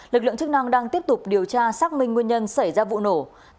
lực lượng chức năng đang tiếp tục điều tra xác minh nguyên nhân xảy ra vụ nổ